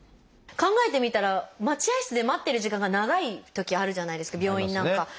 考えてみたら待合室で待ってる時間が長いときあるじゃないですか病院なんか。